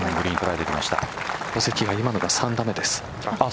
尾関は今のが３打目です。